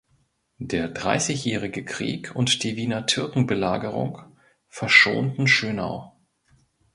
Der Dreißigjährige Krieg und die Wiener Türkenbelagerung verschonten Schönau.